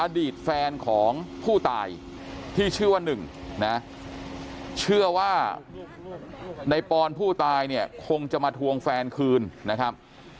อดีตแฟนของผู้ตายที่ชื่อว่าหนึ่งนะเชื่อว่าในปอนผู้ตายเนี่ยคงจะมาทวงแฟนคืนนะครับ